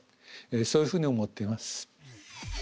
そういうふうに思っています。